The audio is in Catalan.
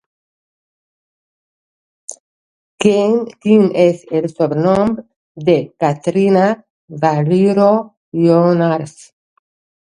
Quin és el sobrenom de Caterina Valriu Llinàs?